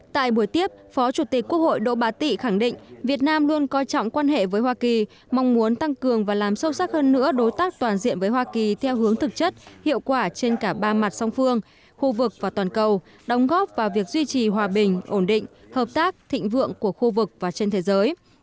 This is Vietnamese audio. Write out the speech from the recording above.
tại buổi tiếp phó chủ tịch quốc hội đỗ bá tị khẳng định việt nam luôn coi trọng quan hệ với hoa kỳ mong muốn tăng cường và làm sâu sắc hơn nữa đối tác toàn diện với hoa kỳ theo hướng thực chất hiệu quả trên cả ba mặt song phương khu vực và toàn cầu đóng góp vào việc duy trì hòa bình ổn định hợp tác thịnh vượng của khu vực và trên thế giới